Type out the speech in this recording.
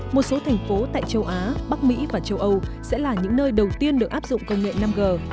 một số thành phố tại châu á bắc mỹ và châu âu sẽ là những nơi đầu tiên được áp dụng công nghệ năm g